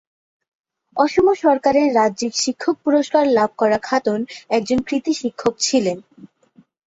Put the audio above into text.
অসম সরকারের ‘রাজ্যিক শিক্ষক পুরস্কার’ লাভ করা খাতুন একজন কৃতি শিক্ষক ছিলেন।